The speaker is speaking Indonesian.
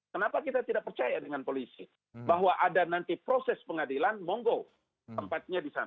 kenapa kita tidak percaya dengan polisi bahwa ada nanti proses pengadilan monggo tempatnya di sana